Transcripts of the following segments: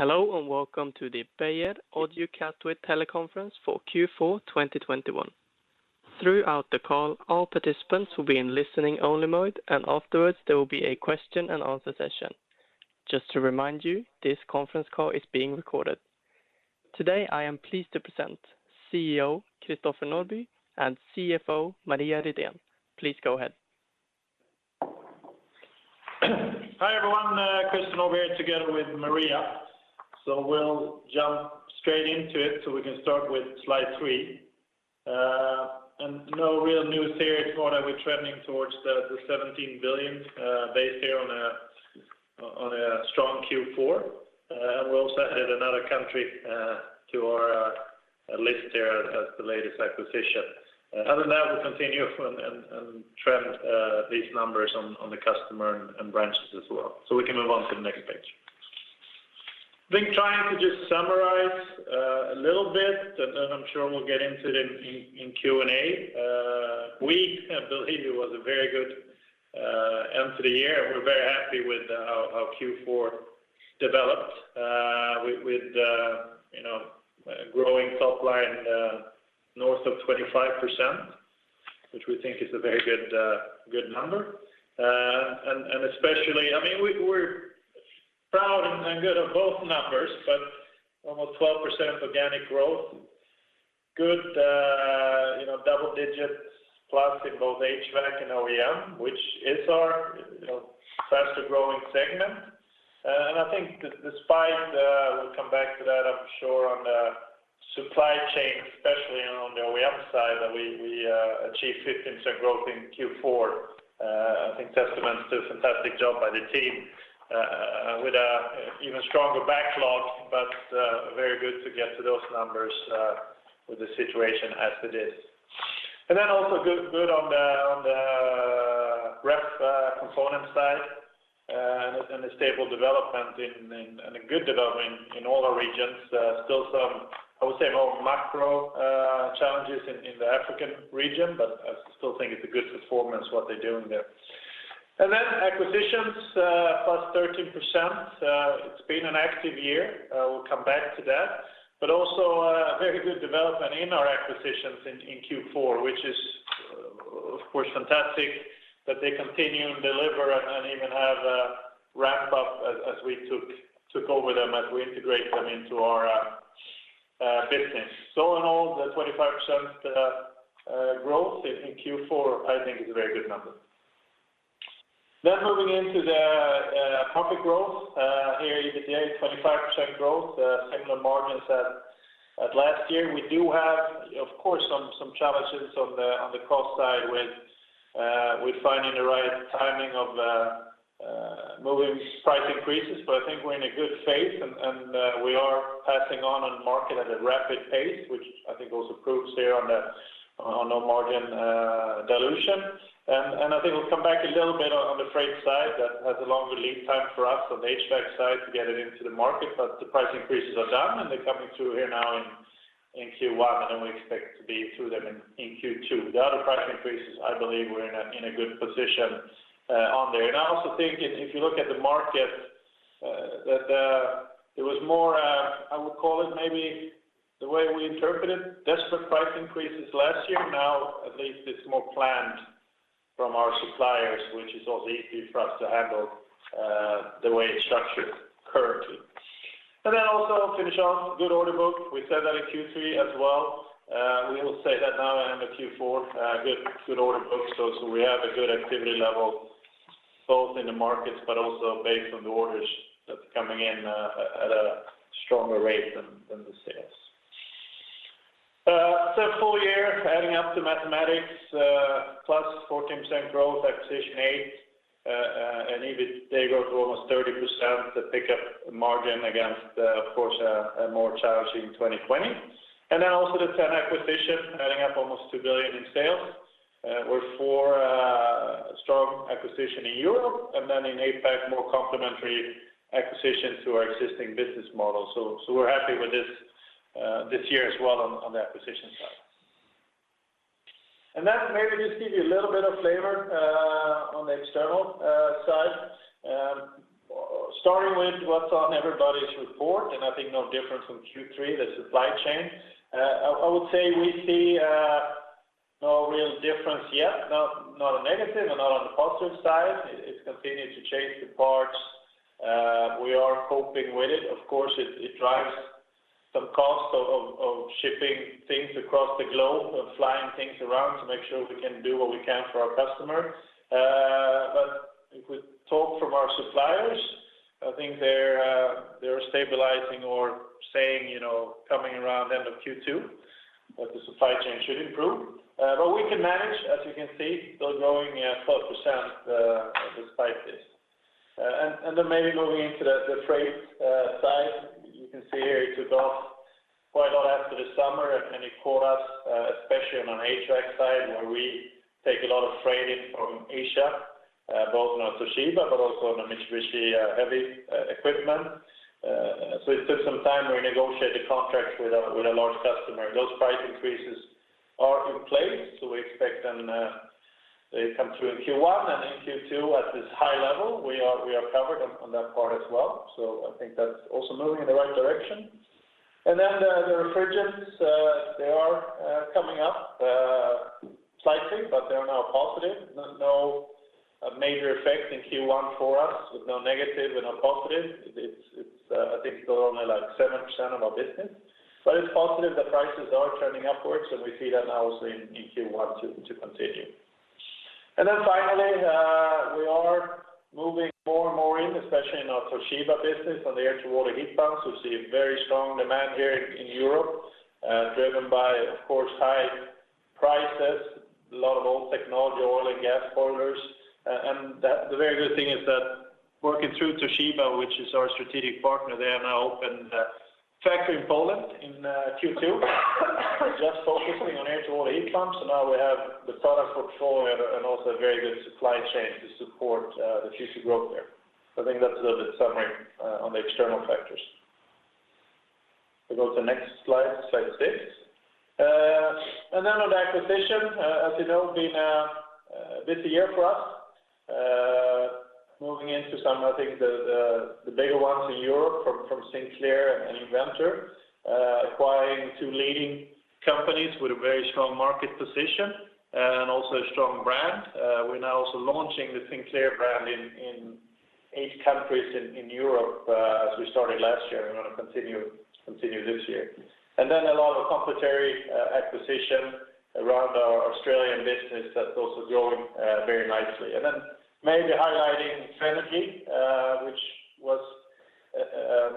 Hello, and welcome to the Beijer audiocast teleconference for Q4 2021. Throughout the call, all participants will be in listening only mode, and afterwards, there will be a question-and-answer session. Just to remind you, this conference call is being recorded. Today, I am pleased to present CEO, Christopher Norbye, and CFO, Maria Rydén. Please go ahead. Hi, everyone, Christopher Norbye here together with Maria. We'll jump straight into it, so we can start with slide three. No real news here. It's more that we're trending towards the 17 billion based here on a strong Q4. We also added another country to our list here as the latest acquisition. Other than that, we'll continue and trend these numbers on the customer and branches as well. We can move on to the next page. I think trying to just summarize a little bit, and then I'm sure we'll get into it in Q&A. We believe it was a very good end to the year. We're very happy with how Q4 developed, you know, growing top line north of 25%, which we think is a very good number. I mean, we're proud and good of both numbers, but almost 12% organic growth. Good, you know, double digits plus in both HVAC and OEM, which is our, you know, faster-growing segment. I think despite, we'll come back to that, I'm sure, on the supply chain, especially on the OEM side, that we achieved 15% growth in Q4. I think testament to a fantastic job by the team, with an even stronger backlog, but very good to get to those numbers with the situation as it is. Also good on the ref component side and a stable development and a good development in all our regions. Still some, I would say more macro challenges in the African region, but I still think it's a good performance what they're doing there. Acquisitions plus 13%. It's been an active year. We'll come back to that. Also, a very good development in our acquisitions in Q4, which is of course fantastic that they continue and deliver and even have a ramp up as we took over them, as we integrate them into our business. In all, the 25% growth in Q4 I think is a very good number. Moving into the profit growth. Here EBITDA is 25% growth, similar margins as last year. We do have, of course, some challenges on the cost side with finding the right timing of moving price increases, but I think we're in a good phase, and we are passing on market at a rapid pace, which I think also proves there on the margin dilution. I think we'll come back a little bit on the freight side. That has a longer lead time for us on the HVAC side to get it into the market, but the price increases are done, and they're coming through here now in Q1, and then we expect to be through them in Q2. The other price increases, I believe we're in a good position on there. I also think if you look at the market, that it was more, I would call it maybe the way we interpreted desperate price increases last year. Now at least it's more planned from our suppliers, which is also easy for us to handle, the way it's structured currently. Then also finish off, good order book. We said that in Q3 as well. We will say that now and in Q4, good order book. So, we have a good activity level both in the markets but also based on the orders that's coming in at a stronger rate than the sales. Full year, adding up the mathematics, +14% growth, acquisitions 8%, and EBITA growth of almost 30% to pick up margin against, of course, a more challenging 2020. The 10 acquisitions adding up almost 2 billion in sales, with four strong acquisitions in Europe and then in APAC more complementary acquisitions to our existing business model. We're happy with this year as well on the acquisition side. Maybe just give you a little bit of flavor on the external side. Starting with what's on everybody's report, and I think no difference from Q3, the supply chain. I would say we see no real difference yet, not a negative and not on the positive side. It's continued to chase the parts. We are coping with it. Of course, it drives some costs of shipping things across the globe and flying things around to make sure we can do what we can for our customers. But if we talk to our suppliers, I think they're stabilizing or saying, you know, coming around end of Q2 that the supply chain should improve. But we can manage, as you can see, still growing at 12%, despite this. Then maybe moving into the freight side. You can see here it took off quite a lot after the summer, and it caught us, especially on an HVAC side where we take a lot of freight in from Asia, both on Toshiba but also on the Mitsubishi Heavy Industries. It took some time to renegotiate the contracts with a large customer. Those price increases are in place, so we expect them. They come through in Q1 and in Q2 at this high level. We are covered on that part as well. I think that's also moving in the right direction. The refrigerants are coming up slightly, but they are now positive. No major effect in Q1 for us with no negative and no positive. It's I think it's only like 7% of our business. But it's positive, the prices are turning upwards, and we see that now also in Q1 to continue. Finally, we are moving more and more, especially in our Toshiba business on the air-to-water heat pumps. We see a very strong demand here in Europe, driven by, of course, high prices, a lot of old technology, oil and gas boilers. The very good thing is that working through Toshiba, which is our strategic partner, they have now opened a factory in Poland in Q2 just focusing on air-to-water heat pumps. Now we have the product portfolio and also a very good supply chain to support the future growth there. I think that's a little bit summary on the external factors. We go to the next slide six. On the acquisition, as you know, it's been a busy year for us, moving into some of the bigger ones in Europe from Sinclair and Inventor, acquiring two leading companies with a very strong market position and also a strong brand. We're now also launching the Sinclair brand in eight countries in Europe, as we started last year, and we want to continue this year. A lot of complementary acquisition around our Australian business that's also growing very nicely. Maybe highlighting Fenagy, which was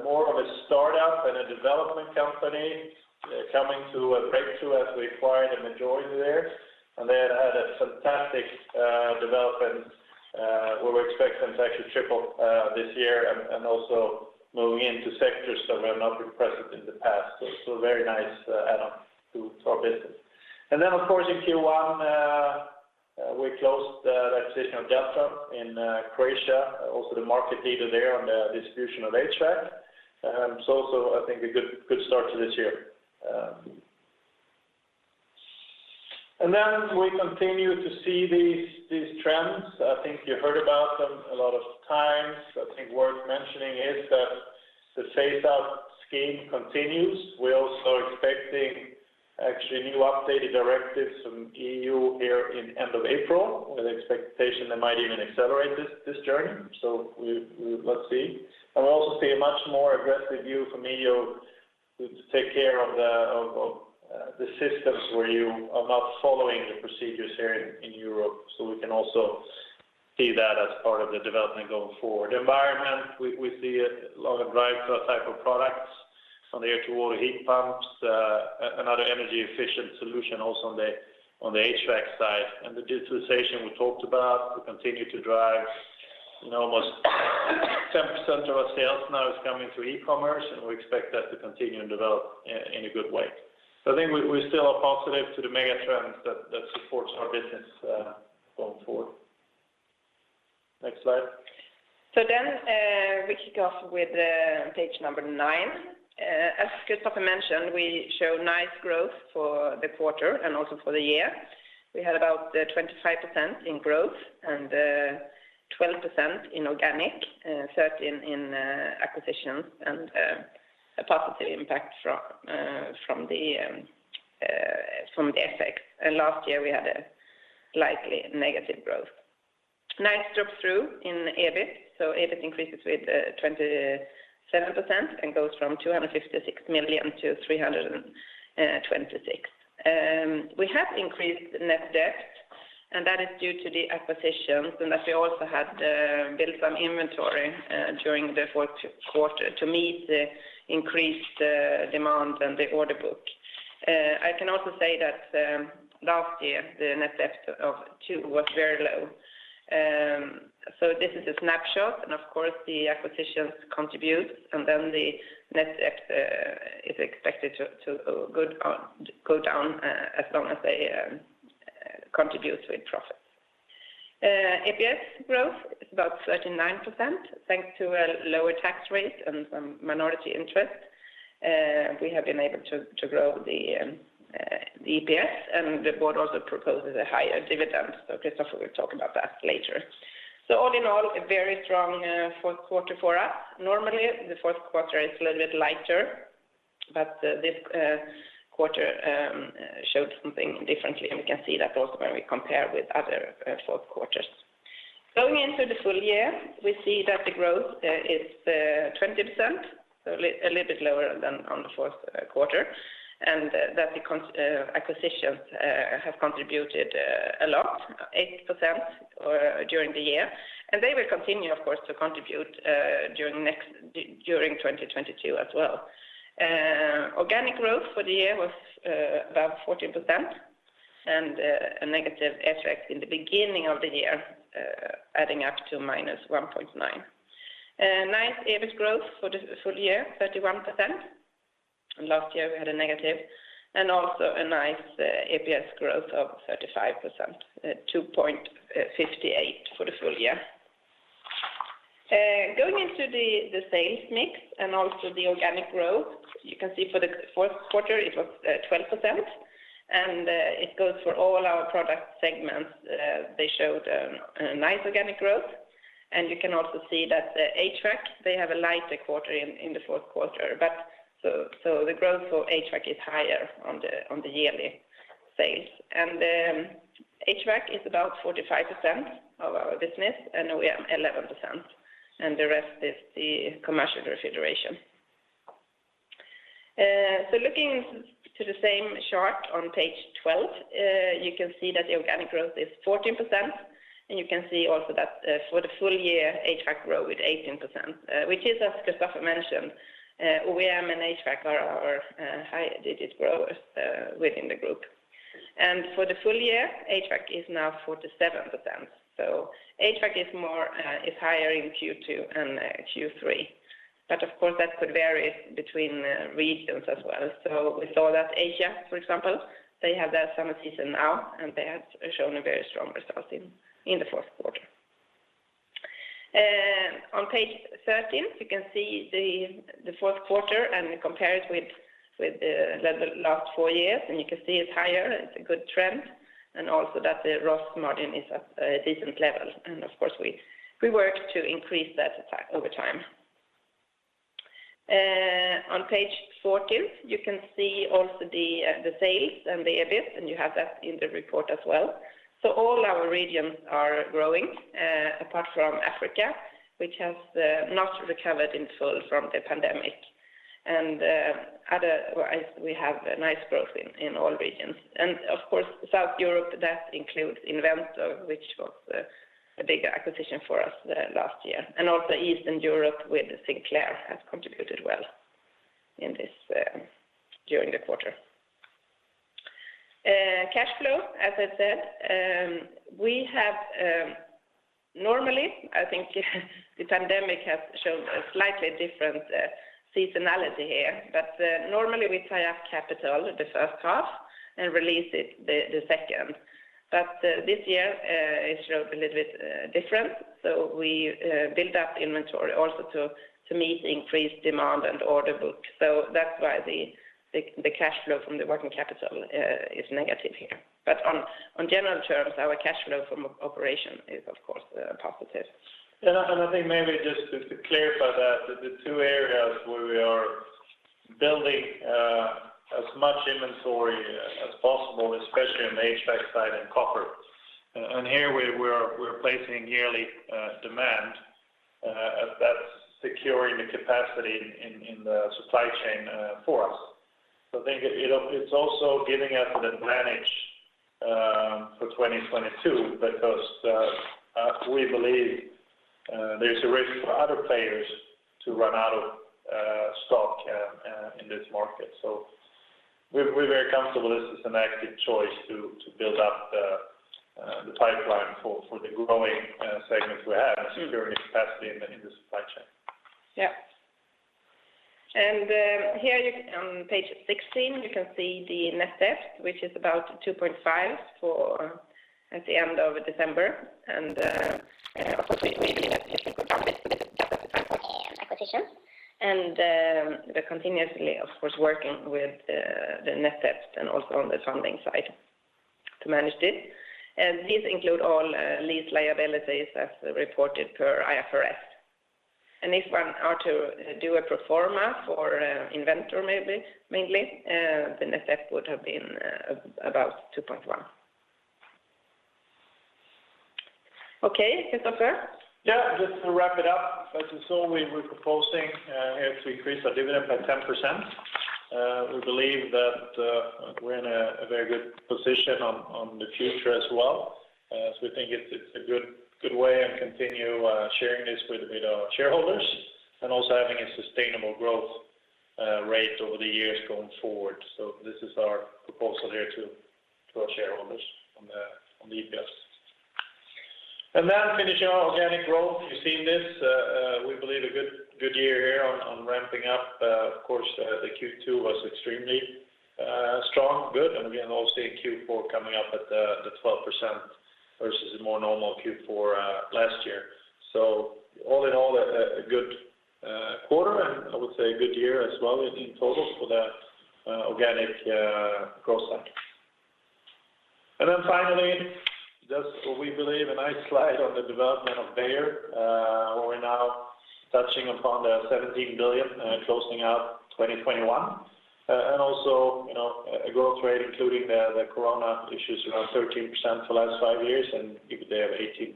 more of a startup and a development company coming to a breakthrough as we acquired a majority there. They had a fantastic development where we expect them to actually triple this year and also moving into sectors that we have not been present in the past. It's a very nice add-on to our business. Of course, in Q1 we closed the acquisition of Deltron in Croatia, also the market leader there on the distribution of HVAC. Also, I think a good start to this year. We continue to see these trends. I think you heard about them a lot of times. I think worth mentioning is that the phase-out scheme continues. We're also expecting actually new updated directives from EU here in end of April, with expectation they might even accelerate this journey. We also see a much more aggressive view from EU to take care of the systems where you are not following the procedures here in Europe. We can also see that as part of the development going forward. Environment, we see a lot of drive for type of products from the air-to-water heat pumps, another energy efficient solution also on the HVAC side. The digitalization we talked about will continue to drive. You know, almost 10% of our sales now is coming through e-commerce, and we expect that to continue and develop in a good way. I think we still are positive to the mega trends that supports our business going forward. Next slide. We kick off with page number nine. As Christopher mentioned, we show nice growth for the quarter and also for the year. We had about 25% in growth and 12% in organic, 13% in acquisitions, and a positive impact from the FX. Last year, we had a slightly negative growth. Nice drop through in EBIT. EBIT increases with 27% and goes from 256 million to 326 million. We have increased net debt, and that is due to the acquisitions and that we also had built some inventory during the fourth quarter to meet the increased demand and the order book. I can also say that last year the net debt of two was very low. This is a snapshot, and of course, the acquisitions contribute, and then the net debt is expected to go down as long as they contribute with profits. EPS growth is about 39%, thanks to a lower tax rate and some minority interest. We have been able to grow the EPS, and the board also proposes a higher dividend. Christopher will talk about that later. All in all, a very strong fourth quarter for us. Normally, the fourth quarter is a little bit lighter, but this quarter showed something differently, and we can see that also when we compare with other fourth quarters. Going into the full year, we see that the growth is 20%, so a little bit lower than on the fourth quarter, and that the acquisitions have contributed a lot, 8%, during the year. They will continue, of course, to contribute during 2022 as well. Organic growth for the year was about 14% and a negative FX in the beginning of the year adding up to -1.9%. Nice EBIT growth for the full year, 31%. Last year, we had a negative. Also a nice EPS growth of 35%, 2.58 for the full year. Going into the sales mix and also the organic growth, you can see for the fourth quarter it was 12%, and it goes for all our product segments. They showed a nice organic growth, and you can also see that the HVAC, they have a lighter quarter in the fourth quarter. But so, the growth for HVAC is higher on the yearly sales. HVAC is about 45% of our business, and OEM 11%, and the rest is the commercial refrigeration. Looking to the same chart on page 12, you can see that the organic growth is 14%, and you can see also that, for the full year, HVAC grew with 18%, which is as Christopher mentioned, OEM and HVAC are our high digit growers within the group. For the full year, HVAC is now 47%. HVAC is higher in Q2 and Q3. Of course, that could vary between regions as well. We saw that Asia, for example, they have their summer season now, and they have shown a very strong result in the fourth quarter. On page 13, you can see the fourth quarter and compare it with the last four years, and you can see it's higher, it's a good trend, and also that the gross margin is at a decent level. Of course, we work to increase that over time. On page 14, you can see also the sales and the EBIT, and you have that in the report as well. All our regions are growing apart from Africa, which has not recovered in full from the pandemic. Overall, we have a nice growth in all regions. Of course, South Europe, that includes Inventor, which was a big acquisition for us last year. Eastern Europe with Sinclair has contributed well during the quarter. Cash flow, as I said, we have normally, I think the pandemic has shown a slightly different seasonality here. Normally, we tie up capital the first half and release it the second. This year, it showed a little bit different. We built up inventory also to meet increased demand and order book. That's why the cash flow from the working capital is negative here. On general terms, our cash flow from operations is of course positive. Yeah. I think maybe just to clarify that the two areas where we are building as much inventory as possible, especially on the HVAC side and copper. Here we're placing yearly demand as that's securing the capacity in the supply chain for us. I think it's also giving us an advantage for 2022 because we believe there's a risk for other players to run out of stock in this market. We're very comfortable this is an active choice to build up the pipeline for the growing segments we have and securing capacity in the supply chain. Here on page 16, you can see the net debt, which is about 2.5 at the end of December. Of course, we believe it should go down a bit with the capex and acquisitions. We're continuously, of course, working with the net debt and also on the funding side to manage this. These include all lease liabilities as reported per IFRS. If one are to do a pro forma for Inventor maybe mainly, the net debt would have been about 2.1. Okay. Christopher? Yeah. Just to wrap it up, as you saw, we're proposing here to increase our dividend by 10%. We believe that we're in a very good position on the future as well. We think it's a good way and continue sharing this with our shareholders and also having a sustainable growth rate over the years going forward. This is our proposal here to our shareholders on the EPS. Finishing our organic growth. You've seen this, we believe a good year here on ramping up. Of course, the Q2 was extremely strong, and we are also seeing Q4 coming up at the 12% versus a more normal Q4 last year. All in all, a good quarter, and I would say a good year as well in total for the organic growth side. We believe a nice slide on the development of Beijer. We're now touching upon the 17 billion, closing out 2021. Also, you know, a growth rate, including the corona issues around 13% for the last five years and year-to-date of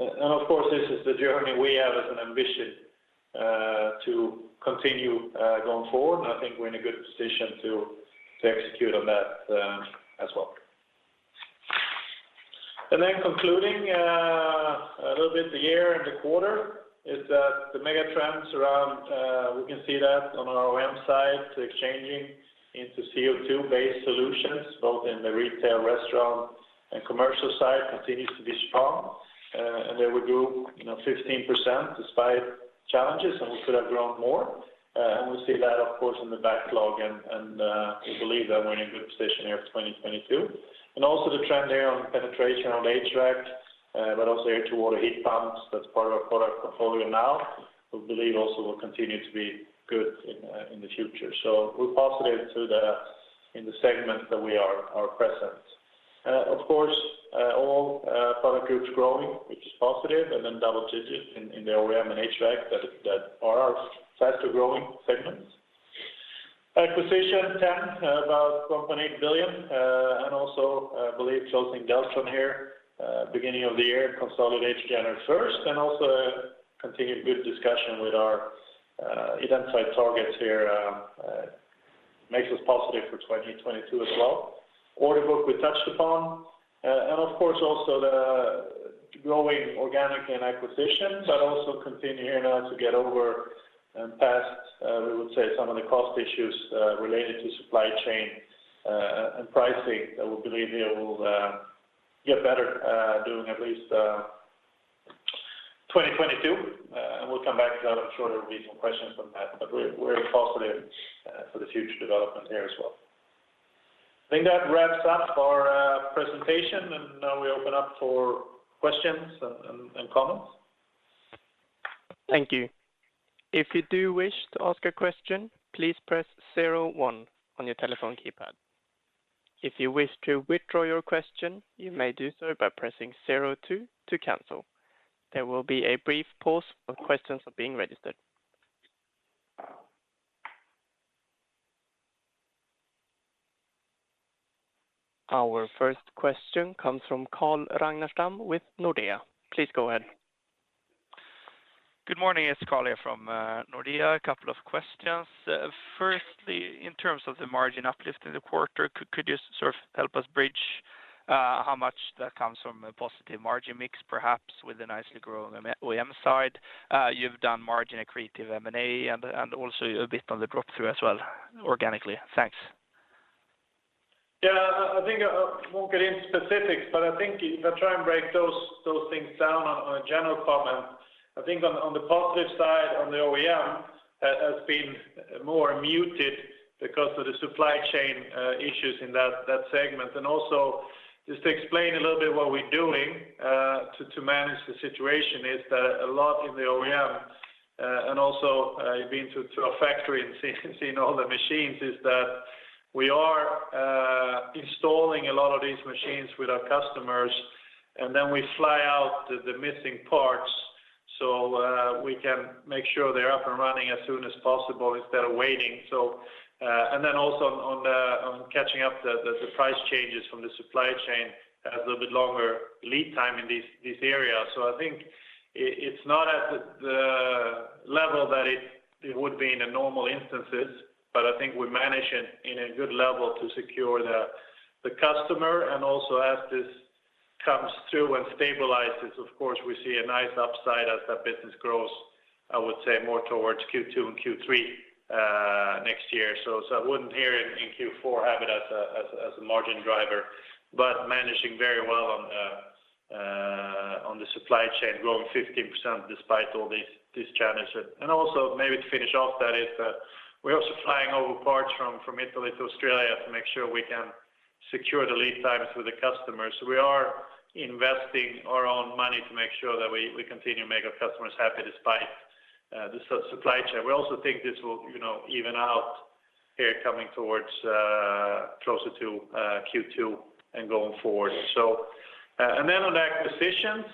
18%. Of course, this is the journey we have as an ambition to continue going forward, and I think we're in a good position to execute on that as well. Concluding a little bit the year and the quarter is that the megatrends around we can see that on our OEM side, the exchanging into CO2-based solutions, both in the retail, restaurant, and commercial side continues to be strong. They will do, you know, 15% despite challenges, and we could have grown more. We see that, of course, in the backlog and we believe that we're in a good position here for 2022. Also, the trend here on penetration on HVAC, but also air-to-water heat pumps, that's part of our product portfolio now. We believe also will continue to be good in the future. So, we're positive in the segment that we are present. Of course, all product groups growing, which is positive, and then double digits in the OEM and HVAC that are our faster-growing segments. Acquisitions then about 1.8 billion, and also, we believe closing Deltron here beginning of the year and consolidate January first. Also continued good discussion with our identified targets here makes us positive for 2022 as well. Order book we touched upon, and of course, also the growing organic and acquisitions that also continue here now to get over and past, we would say some of the cost issues related to supply chain and pricing that we believe here will get better during at least 2022. We'll come back to that. I'm sure there will be some questions on that, but we're positive for the future development here as well. I think that wraps up our presentation, and now we open up for questions and comments. Thank you. If you do wish to ask a question, please press zero one on your telephone keypad. If you wish to withdraw your question, you may do so by pressing zero two to cancel. There will be a brief pause while questions are being registered. Our first question comes from Carl Ragnerstam with Nordea. Please go ahead. Good morning, it's Carl Ragnerstam here from Nordea. A couple of questions. Firstly, in terms of the margin uplift in the quarter, could you sort of help us bridge how much that comes from a positive margin mix, perhaps with a nicely growing OEM side? You've done margin accretive M&A and also a bit on the drop-through as well organically. Thanks. Yeah. I think I won't get into specifics, but I think if I try and break those things down on a general comment, I think on the positive side on the OEM has been more muted because of the supply chain issues in that segment. Also just to explain a little bit what we're doing to manage the situation is that a lot in the OEM and also I've been to a factory and seen all the machines, is that we are installing a lot of these machines with our customers, and then we fly out the missing parts, so we can make sure they're up and running as soon as possible instead of waiting. On catching up, the price changes from the supply chain has a little bit longer lead time in these areas. I think it's not at the level that it would be in a normal instance, but I think we manage it in a good level to secure the customer. Also, as this comes through and stabilizes, of course, we see a nice upside as that business grows, I would say more towards Q2 and Q3 next year. I wouldn't have it in Q4 as a margin driver but managing very well on the supply chain growing 15% despite all these challenges. Also, maybe to finish off that, is that we're also flying over parts from Italy to Australia to make sure we can secure the lead times with the customers. We are investing our own money to make sure that we continue to make our customers happy despite the supply chain. We also think this will, you know, even out here coming towards closer to Q2 and going forward. On acquisitions,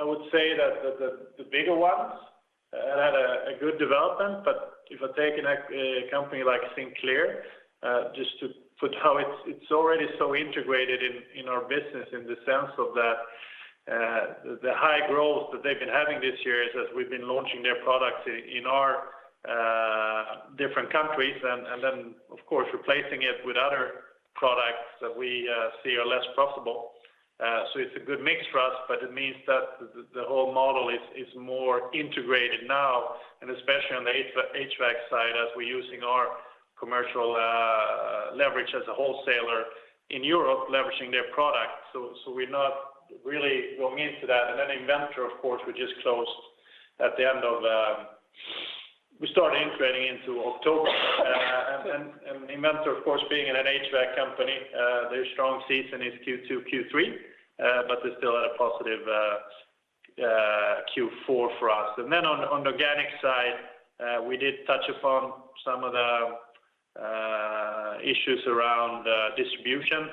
I would say that the bigger ones had a good development. If I take a company like Sinclair, just to put how it's already so integrated in our business in the sense that the high growth that they've been having this year is, as we've been launching their products in our different countries and then of course replacing it with other products that we see are less profitable. It's a good mix for us, but it means that the whole model is more integrated now, and especially on the HVAC side as we're using our commercial leverage as a wholesaler in Europe leveraging their product. We're not really going into that. Inventor, of course, we just closed at the end of. We started integrating in October. Inventor, of course, being an HVAC company, their strong season is Q2, Q3, but there's still a positive Q4 for us. On the organic side, we did touch upon some of the issues around distribution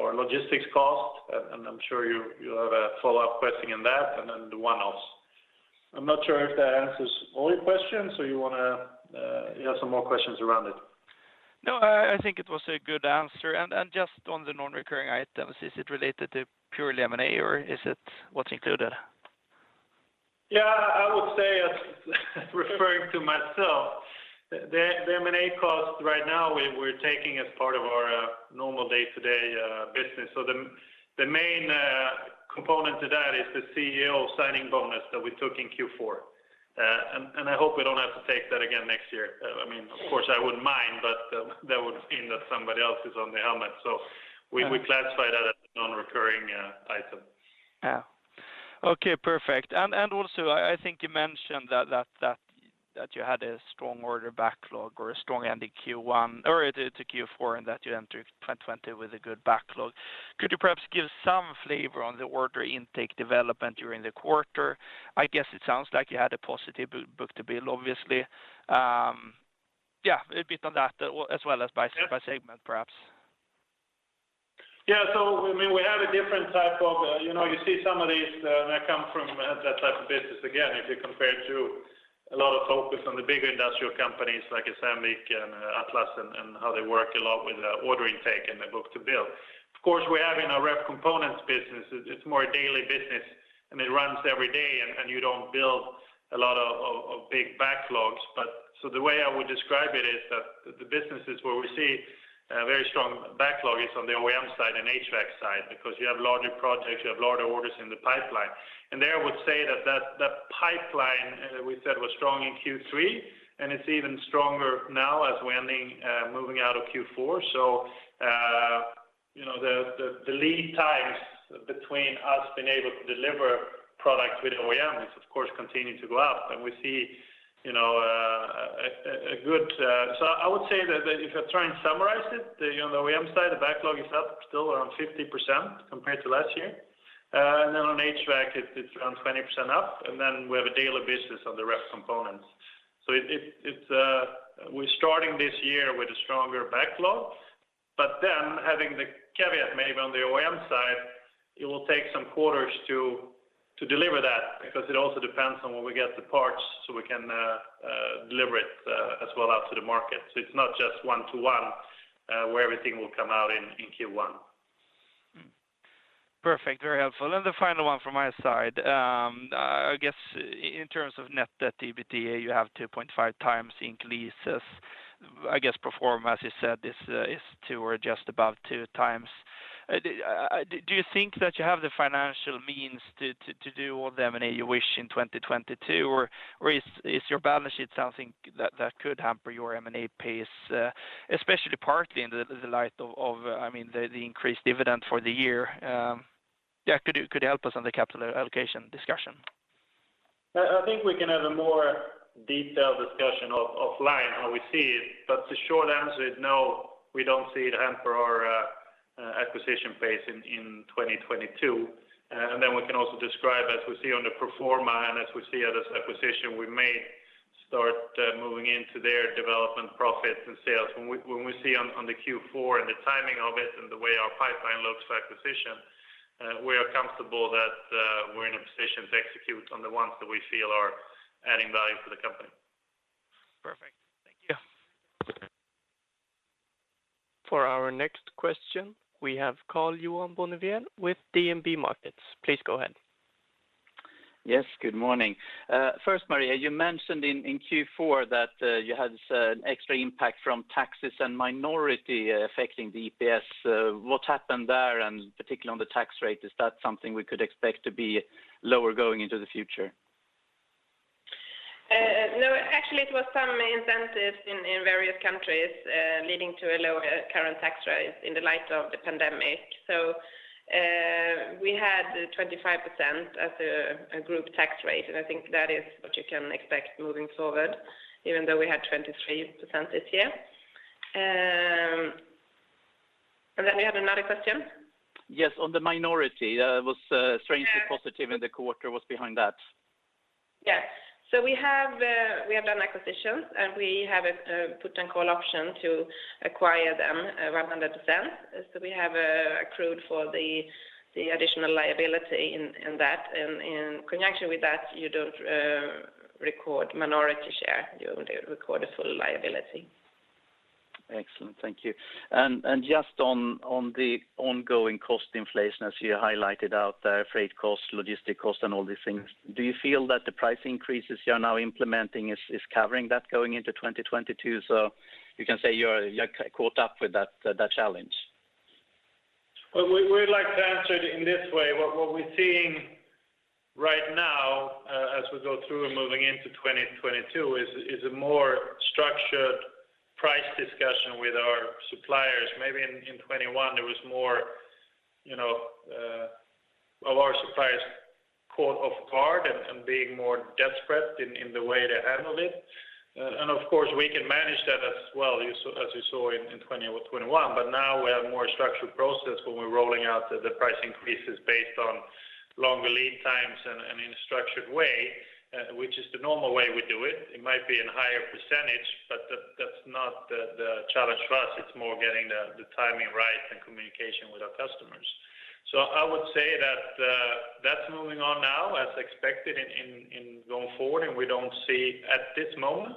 or logistics costs. I'm sure you have a follow-up question in that. I'm not sure if that answers all your questions, or you wanna have some more questions around it. No, I think it was a good answer. Just on the non-recurring items, is it related to purely M&A or is it what's included? I would say as referring to myself, the M&A cost right now we're taking as part of our normal day-to-day business. The main component to that is the CEO sign-on bonus that we took in Q4. I hope we don't have to take that again next year. I mean, of course, I wouldn't mind, but that would mean that somebody else is on the helmet. Yeah We classify that as a non-recurring item. Yeah. Okay, perfect. Also, I think you mentioned that you had a strong order backlog or a strong ending to Q4 and that you entered 2020 with a good backlog. Could you perhaps give some flavor on the order intake development during the quarter? I guess it sounds like you had a positive book-to-bill, obviously. Yeah, a bit on that as well as by- Yeah by segment, perhaps. Yeah. I mean, we have a different type of. You know, you see some of these that come from that type of business. Again, if you compare to a lot of focus on the bigger industrial companies like Sandvik and Atlas and how they work a lot with order intake and the book-to-bill. Of course, we have in our ref components business. It's more a daily business, and it runs every day, and you don't build a lot of big backlogs. The way I would describe it is that the businesses where we see a very strong backlog is on the OEM side and HVAC side because you have larger projects, you have larger orders in the pipeline. There, I would say that pipeline we said was strong in Q3, and it's even stronger now as we're moving out of Q4. You know, the lead times between us being able to deliver product with OEM is of course continuing to go up. We see you know a good. I would say that if you're trying to summarize it, you know, the OEM side, the backlog is up still around 50% compared to last year. And then on HVAC, it's around 20% up, and then we have a daily business on the ref components. It's we're starting this year with a stronger backlog. Having the caveat maybe on the OEM side, it will take some quarters to deliver that because it also depends on when we get the parts so we can deliver it as well out to the market. It's not just one-to-one where everything will come out in Q1. Perfect. Very helpful. The final one from my side. I guess in terms of net debt EBITDA, you have 2.5x incl. leases. I guess pro forma, as you said, is 2x or just above 2x. Do you think that you have the financial means to do all the M&A you wish in 2022? Or is your balance sheet something that could hamper your M&A pace, especially partly in the light of, I mean, the increased dividend for the year? Yeah, could you help us on the capital allocation discussion? I think we can have a more detailed discussion offline how we see it, but the short answer is no, we don't see it hamper our acquisition phase in 2022. We can also describe as we see on the pro forma and as we see at this acquisition, we may start moving into their development profits and sales. When we see on the Q4 and the timing of it and the way our pipeline looks for acquisition, we are comfortable that we're in a position to execute on the ones that we feel are adding value for the company. Perfect. Thank you. For our next question, we have Karl-Johan Bonnevier with DNB Markets. Please go ahead. Yes, good morning. First, Maria, you mentioned in Q4 that you had this extra impact from taxes and minority affecting the EPS. What happened there, and particularly on the tax rate? Is that something we could expect to be lower going into the future? No. Actually, it was some incentives in various countries leading to a lower current tax rate in the light of the pandemic. We had 25% as a group tax rate, and I think that is what you can expect moving forward, even though we had 23% this year. You had another question? Yes. On the minority, it was strangely positive, and the coworker was behind that. Yes. We have done acquisitions, and we have a put and call option to acquire them 100%. We have accrued for the additional liability in that. In connection with that, you don't record minority share, you only record a full liability. Excellent. Thank you. Just on the ongoing cost inflation, as you highlighted out the freight costs, logistic costs, and all these things, do you feel that the price increases you're now implementing is covering that going into 2022, so you can say you're caught up with that challenge? Well, we'd like to answer it in this way. What we're seeing right now, as we go through moving into 2022 is a more structured price discussion with our suppliers. Maybe in 2021 there was more, you know, a lot of suppliers caught off guard and being more desperate in the way they handled it. Of course, we can manage that as well, you saw, as you saw in 2021. Now we have more structured process when we're rolling out the price increases based on longer lead times and in a structured way, which is the normal way we do it. It might be in higher percentage, but that's not the challenge for us. It's more getting the timing right and communication with our customers. I would say that that's moving on now as expected in going forward. We don't see at this moment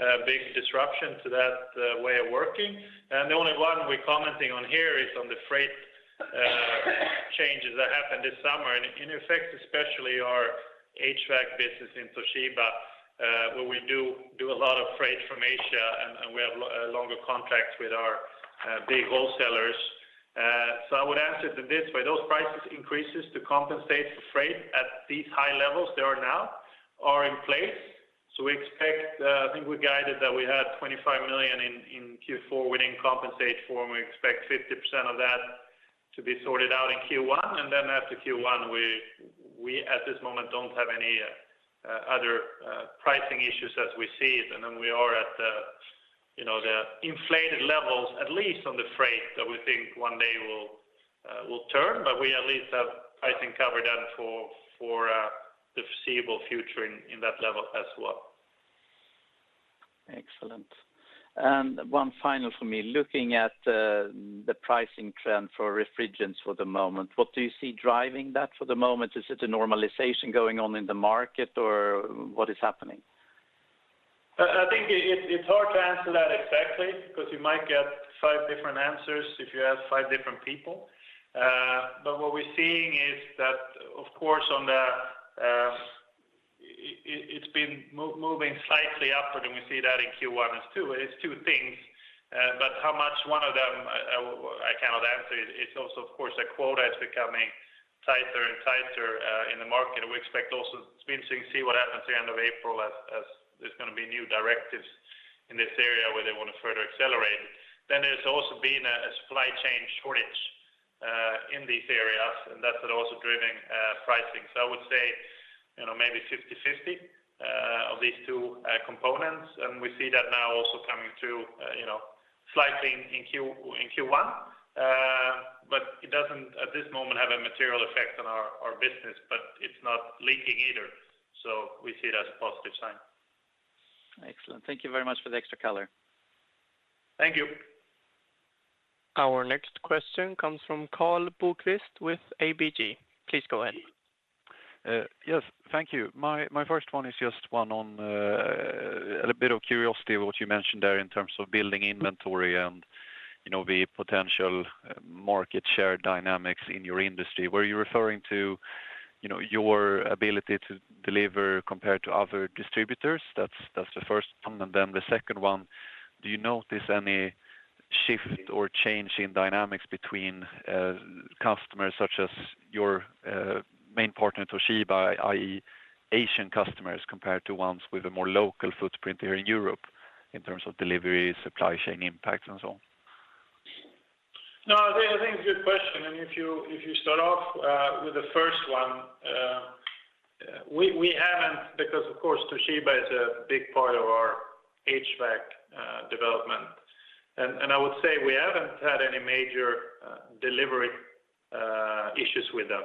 a big disruption to that way of working. The only one we're commenting on here is on the freight changes that happened this summer. In effect, especially our HVAC business in Toshiba, where we do a lot of freight from Asia and we have longer contracts with our big wholesalers. I would answer to this, where those price increases to compensate for freight at these high levels they are now are in place. We expect, I think we guided that we had 25 million in Q4 we didn't compensate for, and we expect 50% of that to be sorted out in Q1. After Q1, we at this moment don't have any other pricing issues as we see it. We are at the, you know, the inflated levels, at least on the freight, that we think one day will turn. We at least have pricing covered then for the foreseeable future in that level as well. Excellent. One final for me. Looking at the pricing trend for refrigerants for the moment, what do you see driving that for the moment? Is it a normalization going on in the market, or what is happening? I think it's hard to answer that exactly because you might get five different answers if you ask five different people. What we're seeing is that of course it's been moving slightly upward, and we see that in Q1 as well. It's two things, but how much one of them, I cannot answer. It's also of course the quota is becoming tighter and tighter in the market. It remains to be seen what happens at the end of April as there's gonna be new directives in this area where they want to further accelerate. There's also been a supply chain shortage in these areas, and that's also driving pricing. I would say, you know, maybe 50/50 of these two components. We see that now also coming through, you know, slightly in Q1. But it doesn't at this moment have a material effect on our business, but it's not leaking either. We see it as a positive sign. Excellent. Thank you very much for the extra color. Thank you. Our next question comes from Karl Bokvist with ABG. Please go ahead. Yes. Thank you. My first one is just one on a little bit of curiosity of what you mentioned there in terms of building inventory and, you know, the potential market share dynamics in your industry. Were you referring to, you know, your ability to deliver compared to other distributors? That's the first one. The second one, do you notice any shift or change in dynamics between customers such as your main partner, Toshiba, i.e. Asian customers, compared to ones with a more local footprint here in Europe in terms of delivery, supply chain impact and so on? No, I think it's a good question. If you start off with the first one, we haven't because of course, Toshiba is a big part of our HVAC development. I would say we haven't had any major delivery issues with them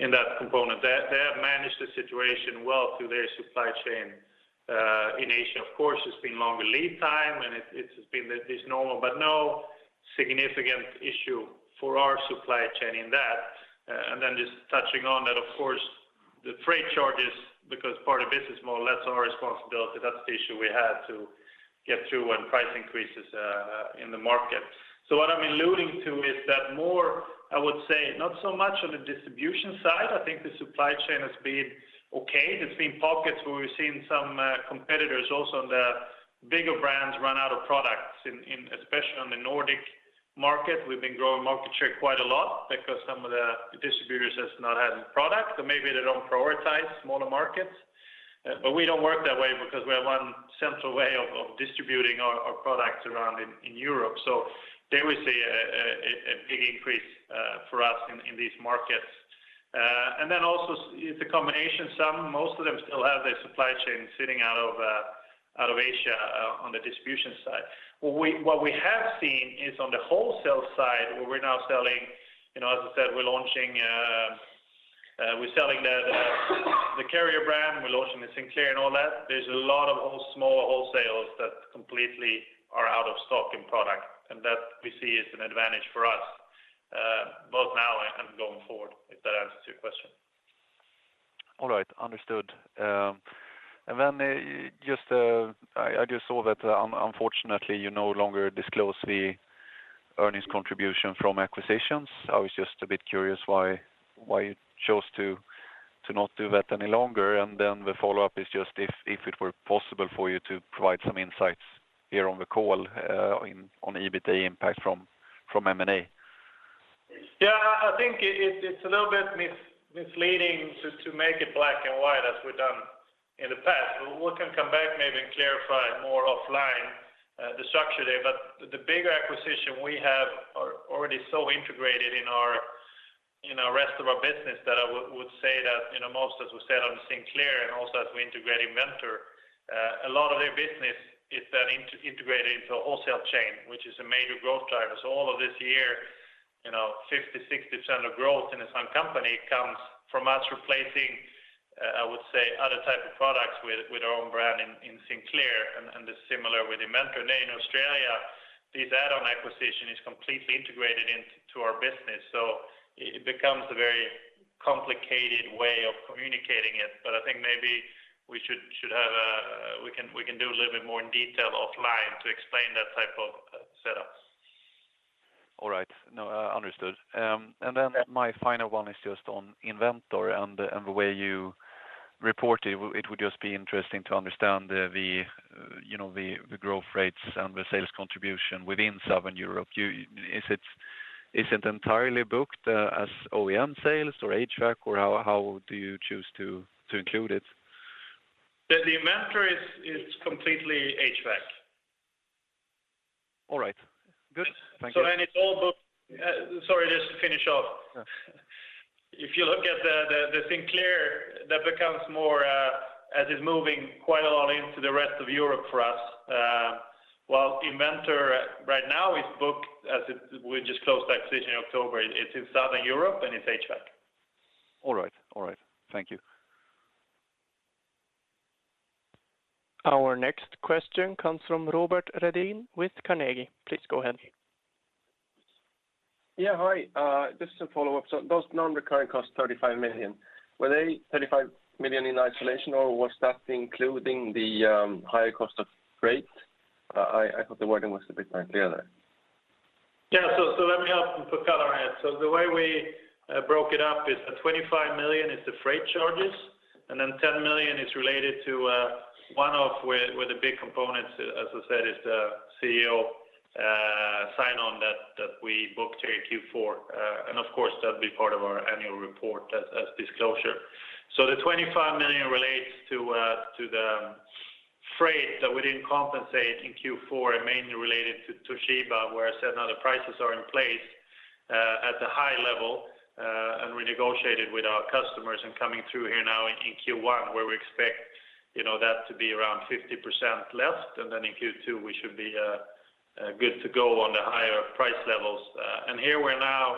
in that component. They have managed the situation well through their supply chain in Asia. Of course, it's been longer lead time and it's been than normal, but no significant issue for our supply chain in that. Just touching on that, of course, the freight charges, because part of business more or less our responsibility, that's the issue we had to get through when price increases in the market. What I'm alluding to is that more, I would say, not so much on the distribution side. I think the supply chain has been okay. There's been pockets where we've seen some competitors also on the bigger brands run out of products in especially on the Nordic market. We've been growing market share quite a lot because some of the distributors has not had products. Maybe they don't prioritize smaller markets. We don't work that way because we have one central way of distributing our products around in Europe. There we see a big increase for us in these markets. Also, it's a combination. Most of them still have their supply chain sitting out of Asia on the distribution side. What we have seen is on the wholesale side, where we're now selling, you know, as I said, we're launching, we're selling the Carrier brand, we're launching the Sinclair and all that. There's a lot of small wholesalers that completely are out of stock in product. That we see as an advantage for us, both now and going forward, if that answers your question. All right. Understood. Then just, I just saw that unfortunately, you no longer disclose the earnings contribution from acquisitions. I was just a bit curious why you chose to not do that any longer. The follow-up is just if it were possible for you to provide some insights here on the call on the EBITA impact from M&A. Yeah. I think it's a little bit misleading to make it black and white as we've done in the past. We can come back maybe and clarify more offline the structure there. The bigger acquisition we have are already so integrated in our rest of our business that I would say that, you know, most as we said on the Sinclair and also as we integrate Inventor, a lot of their business is then integrated into a wholesale chain, which is a major growth driver. All of this year, you know, 50%-60% of growth in this one company comes from us replacing, I would say other type of products with our own brand in Sinclair and it's similar with the Inventor. Now in Australia, this add-on acquisition is completely integrated into our business. It becomes a way of communicating it, but I think maybe we can do a little bit more in detail offline to explain that type of setups. All right. No, understood. My final one is just on Inventor and the way you report it. It would just be interesting to understand the, you know, the growth rates and the sales contribution within Southern Europe. Is it entirely booked as OEM sales or HVAC? Or how do you choose to include it? The Inventor is completely HVAC. All right. Good. Thank you. Sorry, just to finish off. If you look at the Sinclair, that becomes more, as it's moving quite a lot into the rest of Europe for us. While Inventor right now is booked, we just closed that decision in October. It's in Southern Europe, and it's HVAC. All right. Thank you. Our next question comes from Robert Redin with Carnegie. Please go ahead. Yeah. Hi, just a follow-up. Those non-recurring costs, 35 million, were they 35 million in isolation or was that including the higher cost of freight? I thought the wording was a bit unclear there. Yeah. Let me help put color in it. The way we broke it up is the 25 million is the freight charges, and then 10 million is related to one-off where the big components, as I said, is the CEO sign-on that we booked here in Q4. Of course, that'll be part of our annual report as disclosure. The 25 million relates to the freight that we didn't compensate in Q4 and mainly related to Toshiba, where I said now the prices are in place at the high level and renegotiated with our customers and coming through here now in Q1, where we expect, you know, that to be around 50% less. In Q2, we should be good to go on the higher price levels here we're now,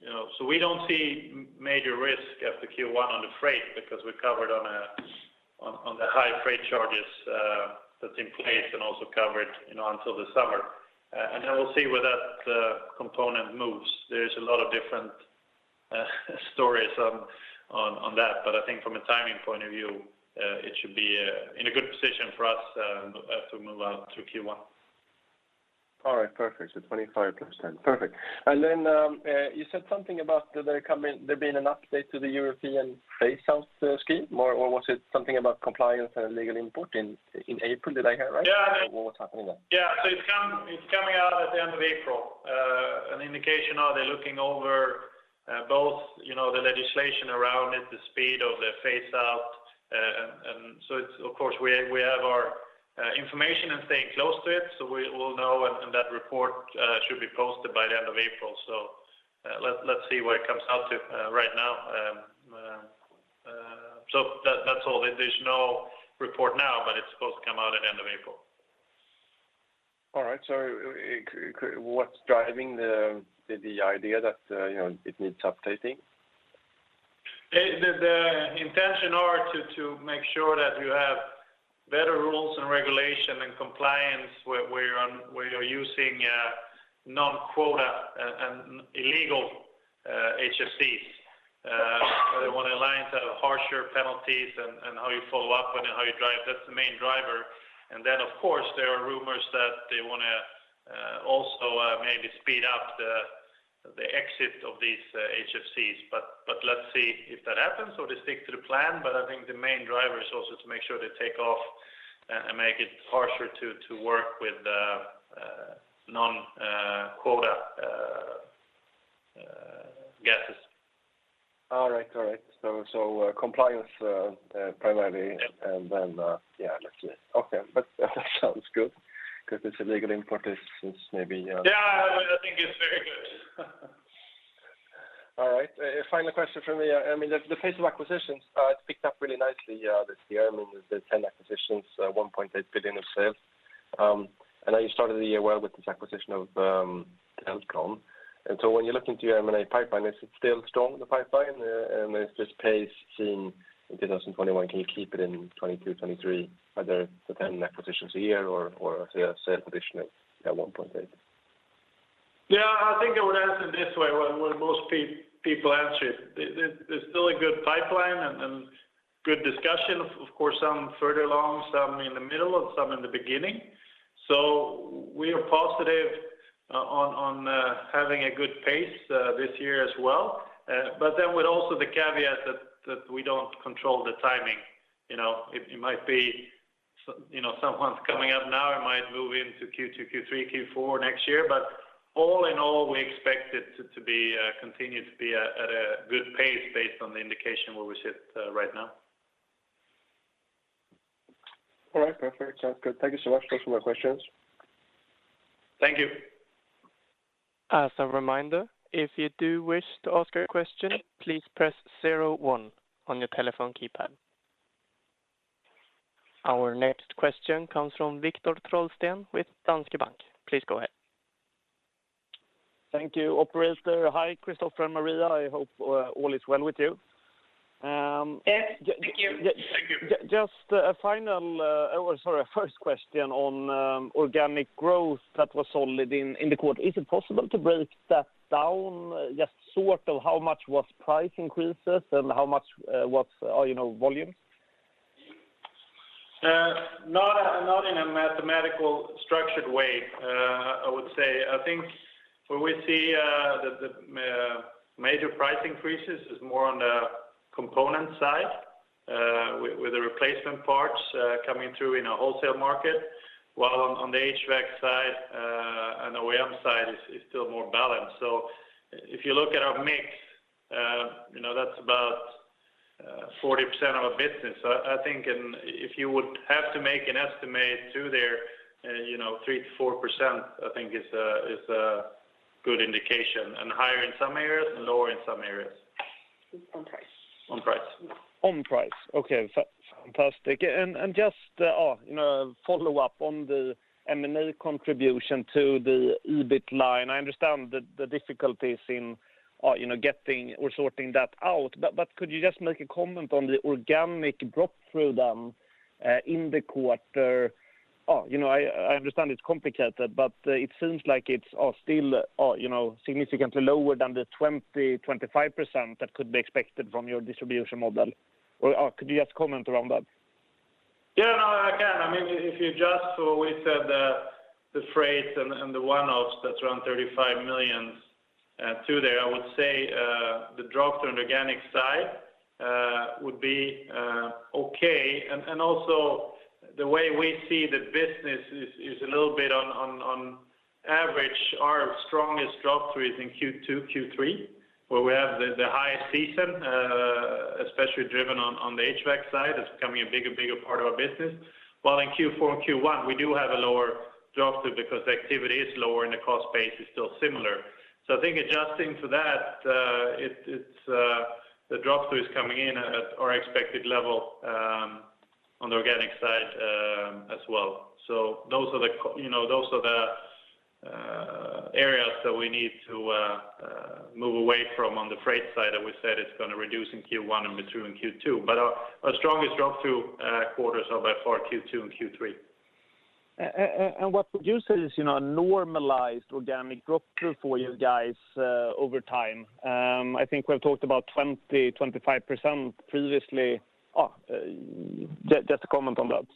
you know. We don't see major risk after Q1 on the freight because we're covered on the high freight charges, that's in place and also covered, you know, until the summer. Then we'll see where that component moves. There's a lot of different stories on that. But I think from a timing point of view, it should be in a good position for us to move through Q1. All right, perfect. So, 25 million + 10 million. Perfect. You said something about there being an update to the European phase-out scheme, or was it something about compliance and legal import in April? Did I hear right? Yeah. What was happening then? It's coming out at the end of April. An indication. Are they looking over both, you know, the legislation around it, the speed of the phase-out. It's, of course, we have our information and staying close to it, so we will know, and that report should be posted by the end of April. Let's see where it comes out, right now. That's all. There's no report now, but it's supposed to come out at the end of April. All right. What's driving the idea that, you know, it needs updating? The intention are to make sure that you have better rules and regulation and compliance where you're using non-quota and illegal HFCs. They want to align to harsher penalties and how you follow up and how you drive. That's the main driver. Then, of course, there are rumors that they want to also maybe speed up the exit of these HFCs. Let's see if that happens or they stick to the plan. I think the main driver is also to make sure they take off and make it harsher to work with non-quota gases. All right. Compliance, primarily. Yep. That sounds good because this illegal import is maybe. Yeah. I think it's very good. All right. Final question for me. I mean, the pace of acquisitions, it's picked up really nicely, this year. I mean, there's 10 acquisitions, 1.8 billion of sales. I know you started the year well with this acquisition of Deltron. When you're looking to your M&A pipeline, is it still strong, the pipeline? And is this pace seen in 2021, can you keep it in 2022, 2023, either the 10 acquisitions a year or a sales position at 1.8 billion? Yeah. I think I would answer this way, well, the way most people answer it. There's still a good pipeline and good discussion. Of course, some further along, some in the middle, and some in the beginning. We are positive on having a good pace this year as well. Then with also the caveat that we don't control the timing, you know. It might be, you know, someone's coming up now, it might move into Q2, Q3, Q4 next year. All in all, we expect it to continue to be at a good pace based on the indication where we sit right now. All right, perfect. Sounds good. Thank you so much. Those were my questions. Thank you. As a reminder, if you do wish to ask a question, please press zero one on your telephone keypad. Our next question comes from Viktor Trollsten with Danske Bank. Please go ahead. Thank you, Operator. Hi, Christopher and Maria. I hope all is well with you. Yes. Thank you. Just a first question on organic growth that was solid in the quarter. Is it possible to break that down? Just sort of how much was price increases and how much was you know volume? Not in a mathematical structured way, I would say. I think where we see the major price increases is more on the component side with the replacement parts coming through in our wholesale market. While on the HVAC side and OEM side is still more balanced. If you look at our mix, you know, that's about 40% of our business. I think and if you would have to make an estimate to there, you know, 3%-4% I think is a good indication, and higher in some areas and lower in some areas. On price. On price. On price. Okay. Fantastic. Just follow up on the M&A contribution to the EBIT line. I understand the difficulties in getting or sorting that out. Could you just make a comment on the organic drop-through in the quarter? You know, I understand it's complicated, but it seems like it's still significantly lower than the 20%-25% that could be expected from your distribution model. Could you just comment around that? Yeah, no, I can. I mean, if you adjust for, we said, the freight and the one-offs that's around 35 million to there, I would say the drop through on organic side would be okay. Also, the way we see the business is a little bit on average our strongest drop through is in Q2, Q3, where we have the highest season, especially driven on the HVAC side. It's becoming a bigger part of our business. While in Q4 and Q1, we do have a lower drop through because the activity is lower and the cost base is still similar. I think adjusting to that, it's the drop through is coming in at our expected level on the organic side as well. Those are the, you know, areas that we need to move away from on the freight side, and we said it's gonna reduce in Q1 and between Q2. Our strongest drop through quarters are by far Q2 and Q3. What would you say is, you know, a normalized organic drop through for you guys over time? I think we've talked about 20%-25% previously. Just a comment on that.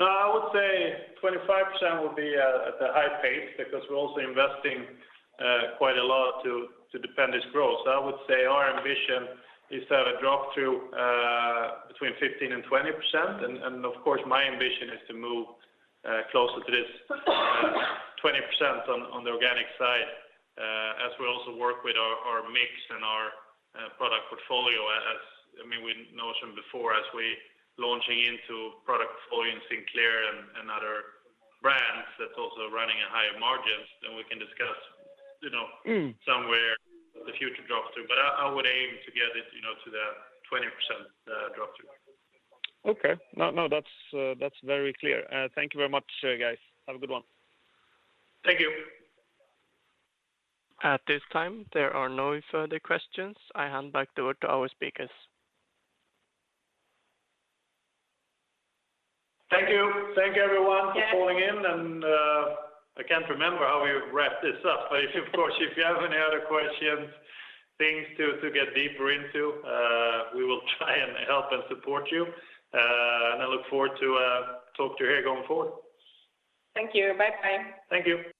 No, I would say 25% would be at the high pace because we're also investing quite a lot to defend this growth. I would say our ambition is to have a drop-through between 15% and 20%. Of course, my ambition is to move closer to this 20% on the organic side. As we also work with our mix and our product portfolio, I mean, we mentioned before as we're launching into product portfolio in Sinclair and other brands that are also running at higher margins, then we can discuss, you know. Mm. Somewhere the future drop through. I would aim to get it, you know, to the 20% drop through. Okay. No, no, that's very clear. Thank you very much, guys. Have a good one. Thank you. At this time, there are no further questions. I hand back over to our speakers. Thank you. Thank everyone for calling in. Yes. I can't remember how we wrap this up. If, of course, if you have any other questions, things to get deeper into, we will try and help and support you. I look forward to talk to you here going forward. Thank you. Bye-bye. Thank you.